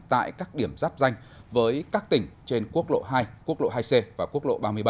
tại các điểm giáp danh với các tỉnh trên quốc lộ hai quốc lộ hai c và quốc lộ ba mươi bảy